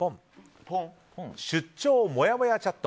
出張もやもやチャット。